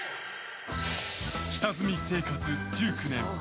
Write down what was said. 下積み生活１９年。